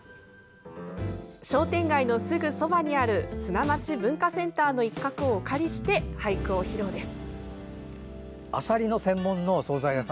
商店街のすぐそばにある砂町文化センターの一角をお借りして俳句を披露です。